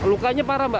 lukanya parah mbak